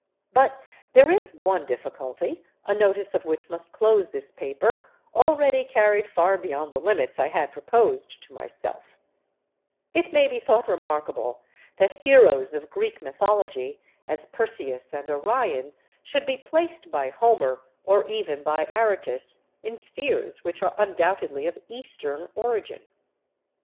But there is one difficulty, a notice of which must close this paper, already carried far beyond the limits I had proposed to myself:—It may be thought remarkable that heroes of Greek mythology, as Perseus and Orion, should be placed by Homer, or even by Aratus, in spheres which are undoubtedly of eastern origin.